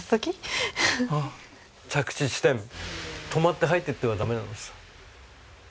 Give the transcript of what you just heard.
止まって入ってってはダメなのさ。